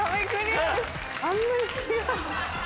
あんなに違う。